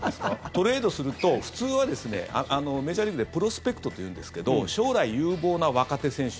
トレードすると普通はメジャーリーグでプロスペクトというんですけど将来有望な若手選手